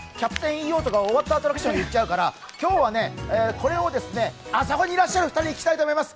キャプテンＥＯとか終わったアトラクションに行っちゃうから今日はね、これをですね、そこにいらっしゃる２人に聞きたいと思います。